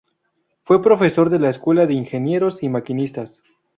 Fue profesor de la Escuela de Ingenieros y Maquinistas.